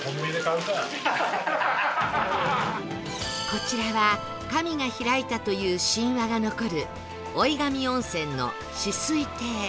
こちらは神が開いたという神話が残る老神温泉の紫翠亭